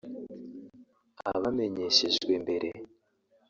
Abamenyeshejwe mbere